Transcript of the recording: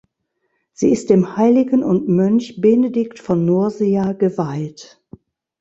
Sie ist dem Heiligen und Mönch Benedikt von Nursia geweiht.